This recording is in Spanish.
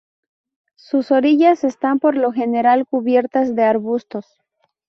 Sus orillas están por lo general cubiertas de arbustos.